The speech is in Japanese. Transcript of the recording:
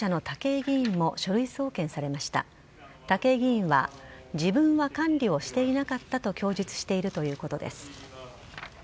武井議員は、自分は管理をしていなかったと供述しているということです。